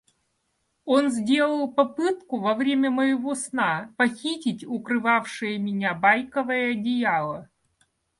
– Он сделал попытку во время моего сна похитить укрывавшее меня байковое одеяло.